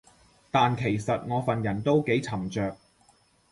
但其實我份人都幾沉着